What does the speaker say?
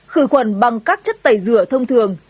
khử khuẩn bằng các chất tẩy rửa thông thường